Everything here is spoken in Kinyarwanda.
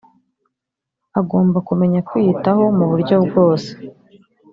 agomba kumenya kwiyitaho mu buryo bwose